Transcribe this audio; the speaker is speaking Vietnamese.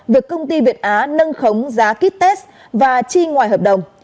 việc công ty việt á nâng khống giá kýt test và chi ngoài hợp đồng